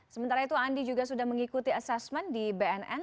sementara itu andi juga sudah mengikuti asesmen di bnn